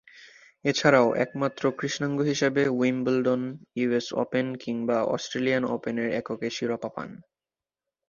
এছাড়াও, একমাত্র কৃষ্ণাঙ্গ হিসেবে উইম্বলডন, ইউএস ওপেন কিংবা অস্ট্রেলিয়ান ওপেনের এককে শিরোপা পান।